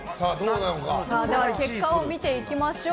結果を見ていきましょう。